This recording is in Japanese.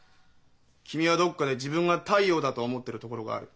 君はどっかで自分が太陽だと思ってるところがある。